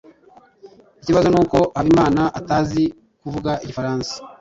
ikibazo nuko habimana atazi kuvuga igifaransa